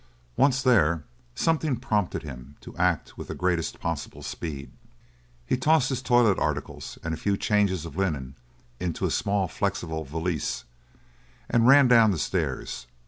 Once there, something prompted him to act with the greatest possible speed. He tossed his toilet articles and a few changes of linen into a small, flexible valise and ran down the stairs.